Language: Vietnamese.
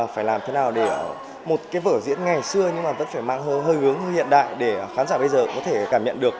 phải làm thế nào để một cái vở diễn ngày xưa nhưng mà vẫn phải mang hơi hướng hiện đại để khán giả bây giờ có thể cảm nhận được